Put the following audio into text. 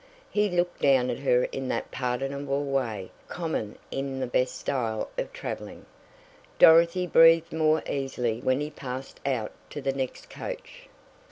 He looked down at her in that pardonable way common even in the best style of traveling. Dorothy breathed more easily when he passed out to the next coach.